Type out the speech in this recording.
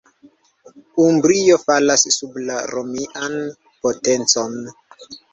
Umbrio falas sub la romian potencon.